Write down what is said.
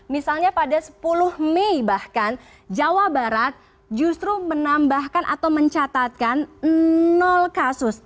misalnya pada sepuluh mei bahkan jawa barat justru menambahkan atau mencatatkan kasus